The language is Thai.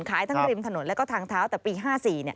ขายทั้งริมถนนแล้วก็ทางเท้าแต่ปี๕๔